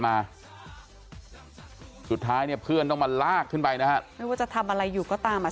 มันต้องมาลากขึ้นไปนะครับไม่ว่าจะทำอะไรอยู่ก็ตามอ่ะ